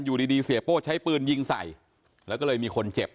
อยู่ดีดีเสียโป้ใช้ปืนยิงใส่แล้วก็เลยมีคนเจ็บ